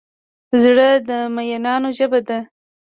زړه د مینانو ژبه ده.